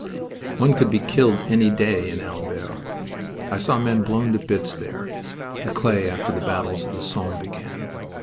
One could be killed any day in Albert. I saw men blown to bits there the clay after the battles of the Somme began.